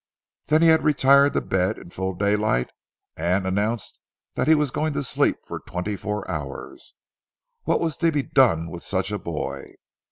Then he had retired to bed in full daylight, and announced that he was going to sleep for twenty four hours. What was to be done with such a boy.